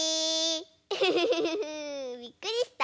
フフフフフフびっくりした？